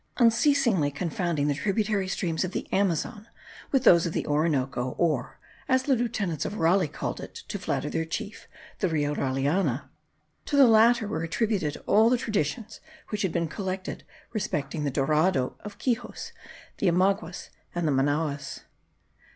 Unceasingly confounding the tributary streams of the Amazon with those of the Orinoco, or (as the lieutenants of Raleigh called it, to flatter their chief) the Rio Raleana, to the latter were attributed all the traditions which had been collected respecting the Dorado of Quixos, the Omaguas, and the Manoas.